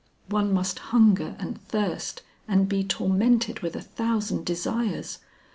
One must hunger and thirst and be tormented with a thousand desires.